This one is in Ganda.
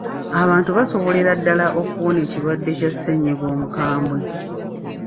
Abantu basobolera ddala okuwona ekirwadde kya ssennyiga omukambwe.